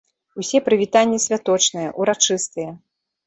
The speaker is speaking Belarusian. Усе прывітанні святочныя, урачыстыя.